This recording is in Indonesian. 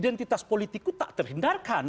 identitas politik itu tak terhindarkan